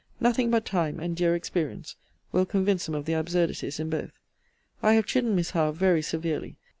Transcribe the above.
Nothing but time, and dear experience, will convince them of their absurdities in both. I have chidden Miss Howe very severely.